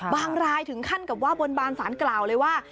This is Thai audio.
รายถึงขั้นกับว่าบนบานสารกล่าวเลยว่า